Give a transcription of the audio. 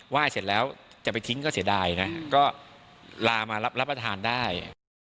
เสร็จแล้วจะไปทิ้งก็เสียดายนะก็ลามารับประทานได้